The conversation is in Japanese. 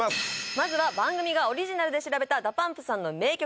まずは番組がオリジナルで調べた「ＤＡＰＵＭＰ」さんの名曲